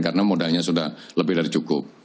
karena modalnya sudah lebih dari cukup